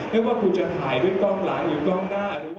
ไม่ว่าคุณจะถ่ายด้วยกล้องหลังหรือกล้องหน้าหรือ